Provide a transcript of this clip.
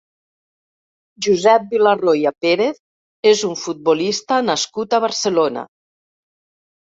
Josep Villarroya Pérez és un futbolista nascut a Barcelona.